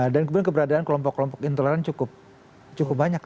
dan kemudian keberadaan kelompok kelompok intoleran cukup cukup banyak